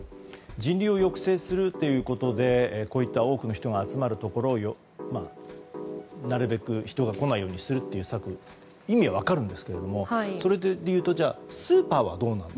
人流を抑制するということでこういった多くの人が集まるところをなるべく人が来ないようにするという策の意味は分かるんですがそれでいうとスーパーはどうなのか